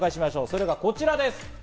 それは、こちらです。